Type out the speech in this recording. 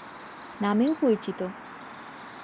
নামেও পরিচিত।